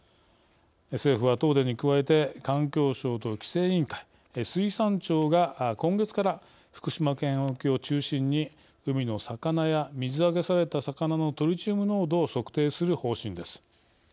政府は、東電に加えて環境省と規制委員会、水産庁が今月から福島県沖を中心に海の魚や水揚げされた魚のトリチウム濃度を測定する方針です。